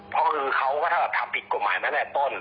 เพราะคือเขาก็ถ้าแบบทำผิดกฎหมายมาแม่ต้น